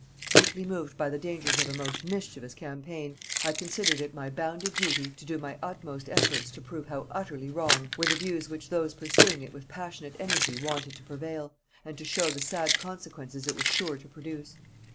Deeply moved by the dangers of a most mischievous campaign, I considered it my bounded duty to do my utmost efforts to prove how utterly wrong were the views which those pursuing it with passionate energy wanted to prevail, and to show the sad consequences it was sure to produce.